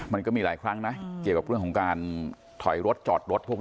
มันก็มีหลายครั้งนะเกี่ยวกับเรื่องของการถอยรถจอดรถพวกนี้